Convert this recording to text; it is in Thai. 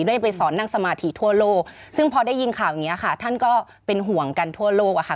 ไปสอนนั่งสมาธิทั่วโลกซึ่งพอได้ยินข่าวอย่างนี้ค่ะท่านก็เป็นห่วงกันทั่วโลกอะค่ะ